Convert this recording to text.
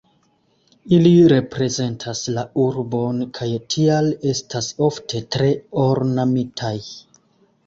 Ili reprezentas la urbon kaj tial estas ofte tre ornamitaj.